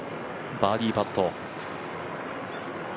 バーディーパット。